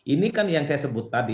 ini kan yang saya sebut tadi